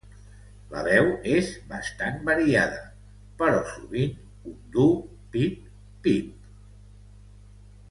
La veu és bastant variada, però sovint un dur "pip-pip".